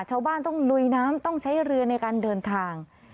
ชาวบ้านต้องลุยน้ำต้องใช้เรือในการเดินทาง